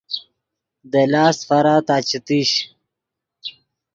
دے لاست فارا تا چے تیش